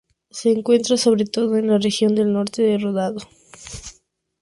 Se encuentra sobre todo en la región del norte del Ródano.